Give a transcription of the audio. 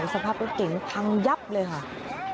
สภาพรถเก๋งพังยับเลยค่ะ